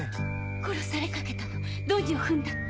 殺されかけたのドジを踏んだって。